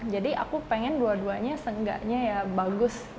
jadi aku pengen dua duanya seenggaknya ya bagus